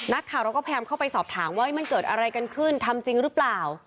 นักข่าวเราก็พยายามเข้าไปสอบถามว่ามันเกิดอะไรกันขึ้นทำจริงหรือเปล่า